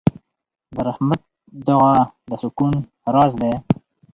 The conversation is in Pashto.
د رحمت دعا د سکون راز دی.